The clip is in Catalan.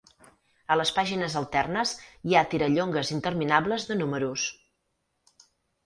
A les pàgines alternes hi ha tirallongues interminables de números.